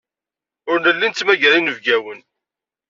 Ur nelli nettmagar inebgawen.